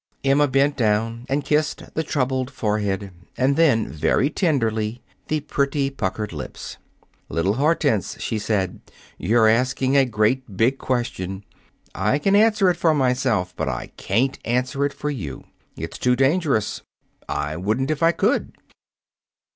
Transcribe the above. Emma bent down and kissed the troubled forehead, and then, very tenderly, the pretty, puckered lips. "Little Hortense," she said, "you're asking a great big question. I can answer it for myself, but I can't answer it for you. It's too dangerous. I wouldn't if I could."